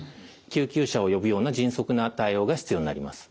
救急車を呼ぶような迅速な対応が必要になります。